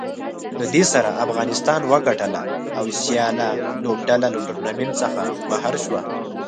له دې سره افغانستان وګټله او سیاله لوبډله له ټورنمنټ څخه بهر شوه